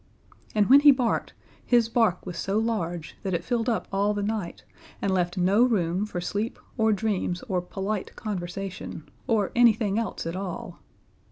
And when he barked, his bark was so large that it filled up all the night and left no room for sleep or dreams or polite conversation, or anything else at all.